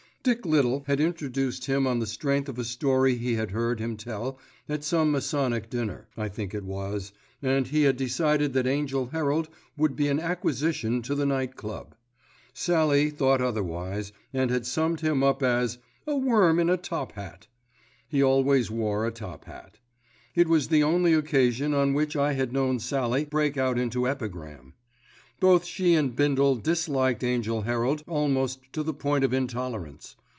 Dick Little had introduced him on the strength of a story he had heard him tell at some masonic dinner, I think it was, and he had decided that Angell Herald would be an acquisition to the Night Club. Sallie thought otherwise, and had summed him up as "a worm in a top hat": he always wore a top hat. It was the only occasion on which I had known Sallie break out into epigram. Both she and Bindle disliked Angell Herald almost to the point of intolerance.